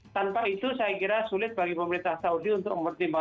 tanpa itu saya kira sulit bagi pemerintah saudi untuk mengambil